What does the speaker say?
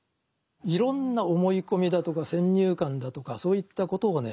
いろんな思い込みだとか先入観だとかそういったことをね